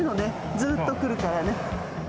ずっとくるからね。